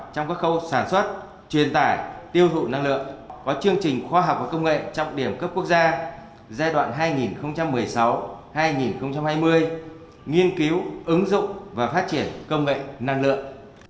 trong các khâu sản xuất truyền tải tiêu thụ năng lượng có chương trình khoa học và công nghệ trọng điểm cấp quốc gia giai đoạn hai nghìn một mươi sáu hai nghìn hai mươi nghiên cứu ứng dụng và phát triển công nghệ năng lượng